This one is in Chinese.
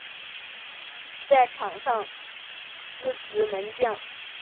在场上司职门将。